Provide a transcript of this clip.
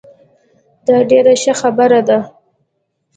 دا ډیره ښه خبره ده